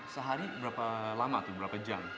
sehari berapa lama atau berapa jam